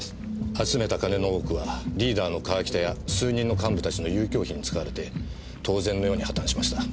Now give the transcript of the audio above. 集めた金の多くはリーダーの川北や数人の幹部たちの遊興費に使われて当然のように破綻しました。